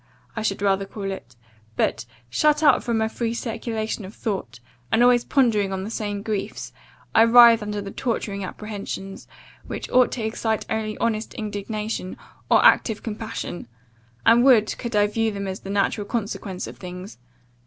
I should rather call it; but, shut up from a free circulation of thought, and always pondering on the same griefs, I writhe under the torturing apprehensions, which ought to excite only honest indignation, or active compassion; and would, could I view them as the natural consequence of things.